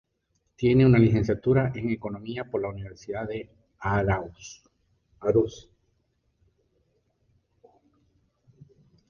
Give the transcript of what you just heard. Tiene una Licenciatura en Economía por la Universidad de Aarhus.